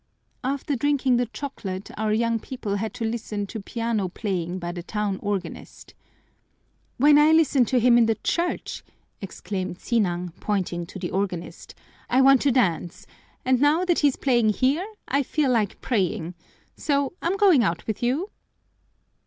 After drinking the chocolate our young people had to listen to piano playing by the town organist. "When I listen to him in the church," exclaimed Sinang, pointing to the organist, "I want to dance, and now that he's playing here I feel like praying, so I'm going out with you."